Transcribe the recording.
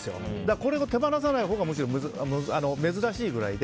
これを手放すほうがむしろ珍しいくらいで。